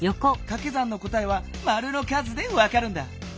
かけ算の答えはマルの数でわかるんだ。